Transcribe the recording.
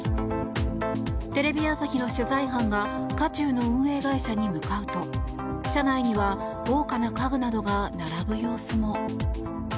テレビ朝日の取材班が渦中の運営会社に向かうと社内には豪華な家具などが並ぶ様子も。